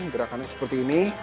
gerakannya seperti ini